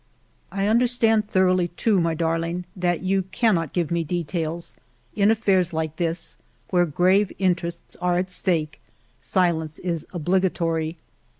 I under stand thoroughly too, my darling, that you cannot give me details. In affairs like this, where grave interests are at stake, silence is obligatory.